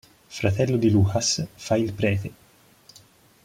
Fratello di Lucas, fa il prete.